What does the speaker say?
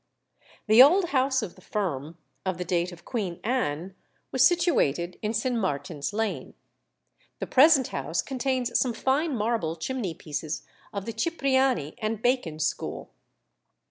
The old house of the firm, of the date of Queen Anne, was situated in St. Martin's Lane. The present house contains some fine marble chimney pieces of the Cipriani and Bacon school.